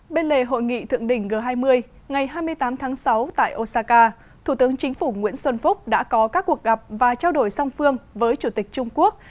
bên lề hội nghị thượng đỉnh g hai mươi ngày hai mươi tám tháng sáu tại osaka thủ tướng chính phủ nguyễn xuân phúc đã có các cuộc gặp và trao đổi song phương với chủ tịch trung quốc